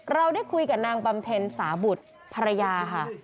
เราได้คุยกับนางบำเพ็ญสาบุตรภรรยาค่ะ